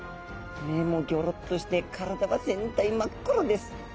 目もギョロッとして体は全体真っ黒です。